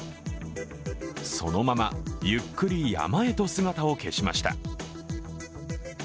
そのままゆっくり山へと姿を消しました。